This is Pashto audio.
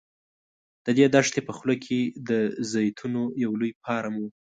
د دې دښتې په خوله کې د زیتونو یو لوی فارم و.